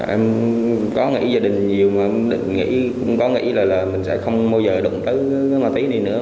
em có nghĩ gia đình nhiều mà cũng có nghĩ là mình sẽ không bao giờ đụng tới ma túy đi nữa